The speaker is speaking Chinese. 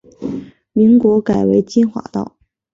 民国改为金华道。